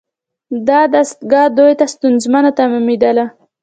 دا دستگاه دوی ته ستونزمنه تمامیدله.